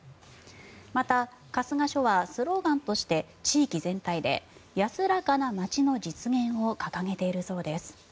また、春日署はスローガンとして地域全体で「安らかなまちの実現」を掲げているそうです。